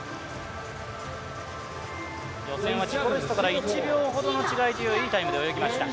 予選は自己ベストから１秒ほどの違いでいいタイムで泳ぎました。